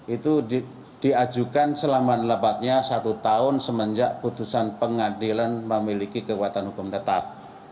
itu diajukan selama lebatnya satu tahun semenjak putusan pengadilan memiliki kekuatan hukum tetap